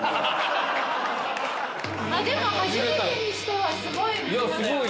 でも初めてにしてはすごい！